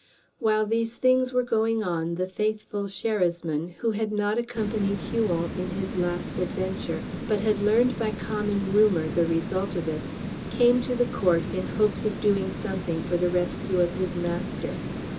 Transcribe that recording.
While these things were going on the faithful Sherasmin, who had not accompanied Huon in his last adventure, but had learned by common rumor the result of it, came to the court in hopes of doing something for the rescue of his master.